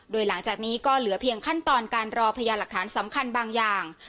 โดยหลังจากนี้ก็เหลือเพียงขั้นตอนการรอพยานหลักฐานสำคัญบางอย่าง